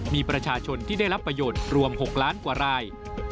มีประชาชนที่ได้รับประโยชน์รวม๖ล้านกว่าราย